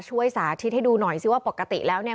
ช่วยสาธิตให้ดูหน่อยซิว่าปกติแล้วเนี่ย